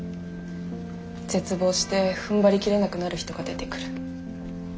絶望してふんばり切れなくなる人が出てくる。